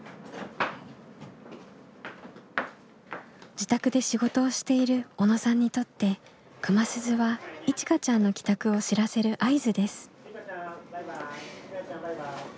自宅で仕事をしている小野さんにとって熊鈴はいちかちゃんの帰宅を知らせる合図です。